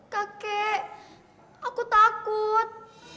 kakek aku takut